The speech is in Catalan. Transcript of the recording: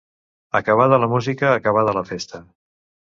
Acabada la música, acabada la festa.